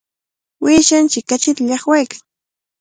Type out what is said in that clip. Uyshanchik kachita llaqwaykan.